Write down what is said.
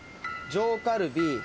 上カルビ。